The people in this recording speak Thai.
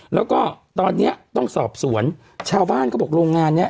แล้วก็ตอนเนี้ยต้องสอบสวนชาวบ้านเขาบอกโรงงานเนี้ย